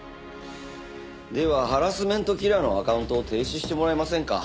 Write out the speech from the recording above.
ではハラスメントキラーのアカウントを停止してもらえませんか？